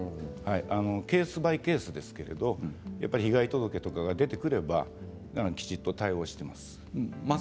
ケースバイケースですけれど被害届とかが出てくればきちんと対応しています。